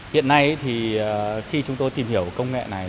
hiện nay thì khi chúng tôi tìm hiểu công nghệ này